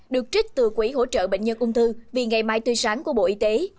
được trích từ quỹ hỗ trợ bệnh nhân ung thư vì ngày mai tươi sáng của bộ y tế